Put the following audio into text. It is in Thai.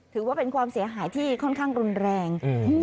ถือว่าเป็นความเสียหายที่ค่อนข้างรุนแรง